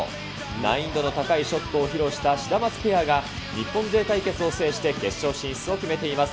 難易度の高いショットを披露したシダマツペアが日本勢対決を制して決勝進出を決めています。